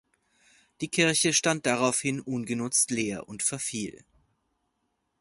Die Kirche stand daraufhin ungenutzt leer und verfiel.